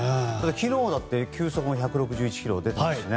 昨日だって球速が１６１キロ出てましたしね。